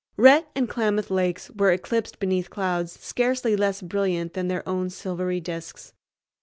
Rhett and Klamath Lakes were eclipsed beneath clouds scarcely less brilliant than their own silvery disks.